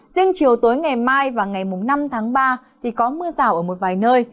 riêng chiều tối ngày mai và ngày năm tháng ba thì có mưa rào ở một vài nơi